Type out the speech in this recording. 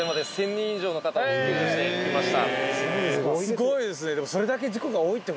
すごいですねでも。